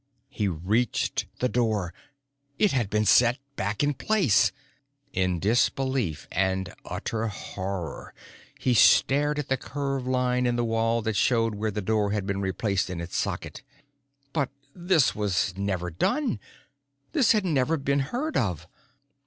He reached the door. It had been set back in place! In disbelief and utter horror he stared at the curved line in the wall that showed where the door had been replaced in its socket. But this was never done! This had never been heard of!